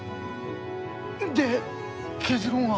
で結論は？